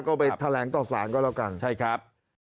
ก็ไปแถลงต่อศาลก็แล้วกัน